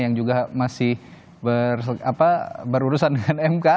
yang juga masih berurusan dengan mk